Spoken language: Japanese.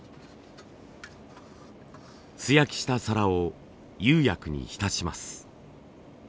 素焼きした皿を釉薬に浸します。